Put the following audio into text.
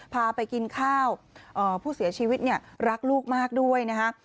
พาไปกินข้าวผู้เสียชีวิตเนี่ยรักลูกมากด้วยนะฮะ